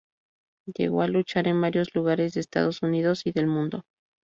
Llegó a luchar en varios lugares de Estados Unidos y del mundo.